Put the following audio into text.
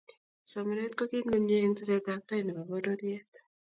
somanet ko kit nemyee eng tesetab tai ne bo pororiet.